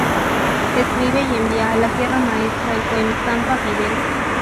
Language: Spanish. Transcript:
Escribe y envía a la Sierra Maestra el poema "Canto a Fidel".